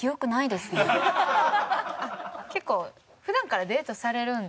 結構。